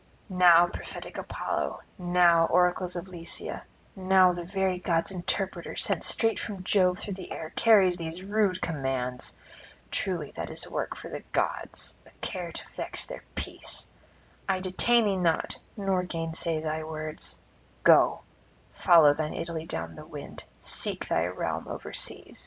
Now prophetic Apollo, now oracles of Lycia, now the very gods' interpreter sent straight from Jove through the air carries these rude commands! Truly that is work for the gods, that a care to vex their peace! I detain thee not, nor gainsay thy words: go, follow thine Italy down the wind; seek thy realm overseas.